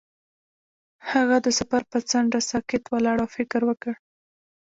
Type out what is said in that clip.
هغه د سفر پر څنډه ساکت ولاړ او فکر وکړ.